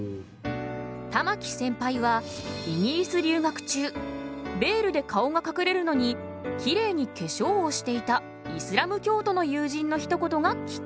玉置センパイはイギリス留学中ベールで顔がかくれるのにきれいに化粧をしていたイスラム教徒の友人のひと言がキッカケに。